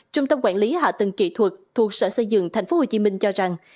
trung tâm quản lý hạ tầng kỹ thuật thuộc sở xây dựng tp hcm cho rằng